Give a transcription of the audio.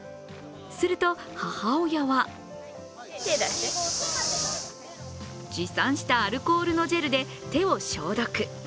すると母親は持参したアルコールのジェルで手を消毒。